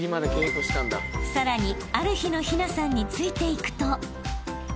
［さらにある日の陽奈さんについていくと］